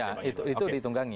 ya itu ditunggangi